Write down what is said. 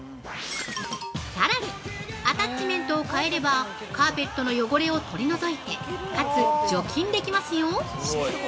◆さらにアタッチメントを変えれば、カーペットの汚れを取り除いてかつ除菌できますよ。